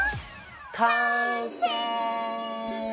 完成！